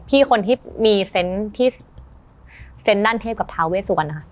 พี่คนที่มีเซนต์ด้านเทพกับทาเวสวร